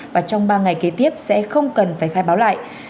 và trong ba ngày kế tiếp sẽ không cần phải khai báo lại